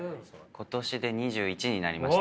今年で２１になりました。